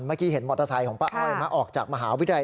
เมื่อกี้เห็นมอเตอร์ไซค์ของป้าอ้อยมาออกจากมหาวิทยาลัย